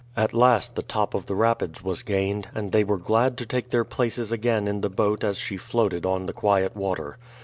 At last the top of the rapids was gained, and they were glad to take their places again in the boat as she floated on the quiet water.